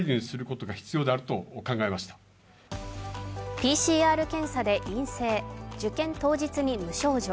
ＰＣＲ検査で陰性受験当日に無症状。